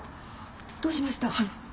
どうしました？